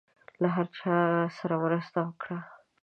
له هر چا سره مرسته وکړم.